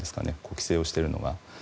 規制をしているのが。